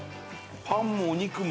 パンもお肉も。